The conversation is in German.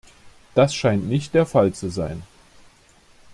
Das scheint nicht der Fall zu sein.